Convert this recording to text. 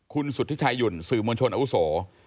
คุณสุธิชายุ่นสื่อมวลชนอาวุโส